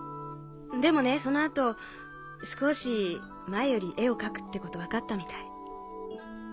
でもねその後少し前より絵を描くってこと分かったみたい。